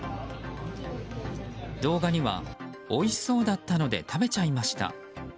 動画にはおいしそうだったので食べちゃいました。